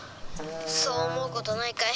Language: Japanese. そう思うことないかい？